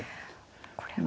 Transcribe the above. これは。